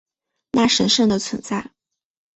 那神圣的存在